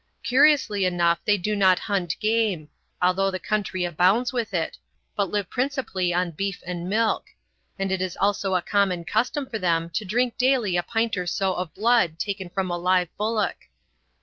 Curiously enough they do not hunt game, although the country abounds with it, but live principally on beef and milk; and it is also a common custom for them to drink daily a pint or so of blood taken from a live bullock.